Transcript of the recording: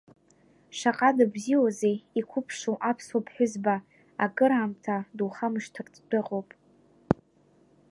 Шаҟа дыбзиоузеи иқәыԥшу аԥсуа ԥҳәызба, акыраамҭа духамшҭыртә дыҟоуп.